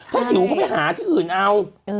ถ้าหิวก็ไปหาที่อื่นเอา